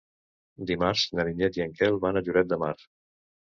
Dimarts na Vinyet i en Quel van a Lloret de Mar.